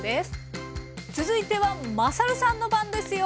続いてはまさるさんの番ですよ。